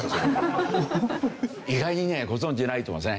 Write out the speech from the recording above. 意外にねご存じないと思うんですね。